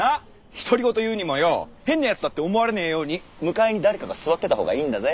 独り言言うにもよォヘンなやつだって思われねーように向かいに誰かが座ってたほうがいいんだぜ。